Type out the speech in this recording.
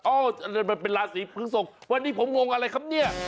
มันเป็นราศีพฤกษกวันนี้ผมงงอะไรครับเนี่ย